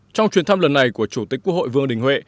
trong chuyến thăm lần này của chủ tịch quốc hội vương đình huệ